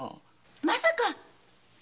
まさか。